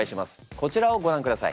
こちらをご覧ください。